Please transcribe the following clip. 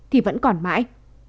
thì vẫn còn mãi